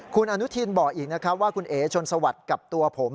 คุณอนุทินบอกอีกนะครับว่าคุณเอ๋ชนสวัสดิ์กับตัวผม